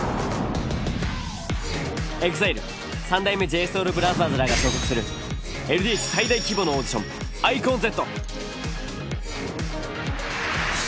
ＥＸＩＬＥ三代目ＪＳＯＵＬＢＲＯＴＨＥＲＳらが所属するＬＤＨ最大規模のオーディションｉＣＯＮＺ。